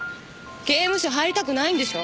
刑務所入りたくないんでしょ？